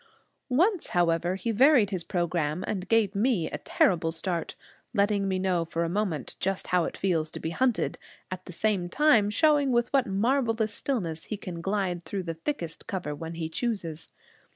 Once, however, he varied his program, and gave me a terrible start, letting me know for a moment just how it feels to be hunted, at the same time showing with what marvelous stillness he can glide through the thickest cover when he chooses.